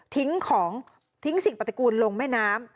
ของทิ้งสิ่งปฏิกูลลงแม่น้ำ